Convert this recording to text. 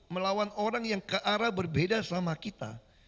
melawan orang yang ke arah berbeda sama kita